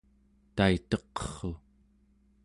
taiteqerru